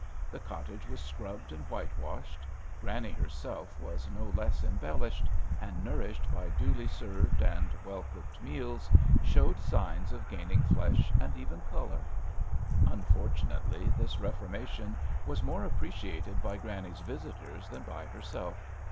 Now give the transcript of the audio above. The cottage was scrubbed and whitewashed. Granny herself was no less embellished, and, nourished by duly served and well cooked meals, showed signs of gaining flesh and even colour. Unfortunately, this reforma tion was more appreciated by Granny's visitors than by herself.